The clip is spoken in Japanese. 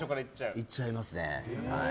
いっちゃいますね。